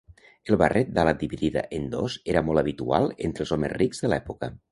El barret d'ala dividida en dos era molt habitual entre els homes rics de l'època.